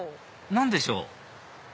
何でしょう？